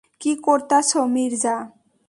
কি করতাসো মির্জা।